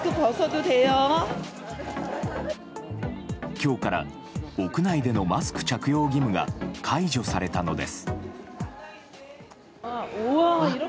今日から屋内でのマスク着用義務が解除されたのです。